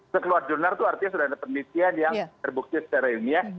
sekeluar jurnal itu artinya sudah ada penelitian yang terbukti secara ilmiah